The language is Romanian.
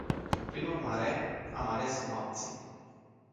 Prin urmare, am ales să mă abțin.